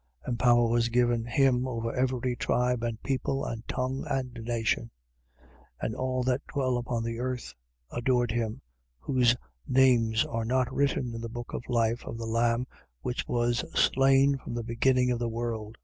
And power was given him over every tribe and people and tongue and nation. 13:8. And all that dwell upon the earth adored him, whose names are not written in the book of life of the Lamb which was slain from the beginning of the world.